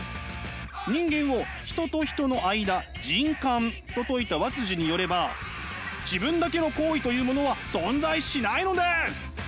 人間を人と人の間「じんかん」と説いた和によれば自分だけの行為というものは存在しないのです。